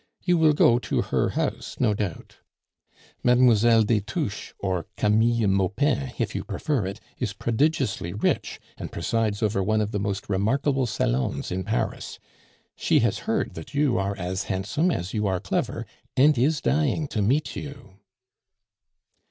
You will go to her house, no doubt. Mlle. de Touches (or Camille Maupin, if you prefer it) is prodigiously rich, and presides over one of the most remarkable salons in Paris. She has heard that you are as handsome as you are clever, and is dying to meet you."